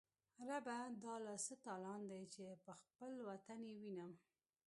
ربه دا لا څه تالان دی، چی به خپل وطن یې وینم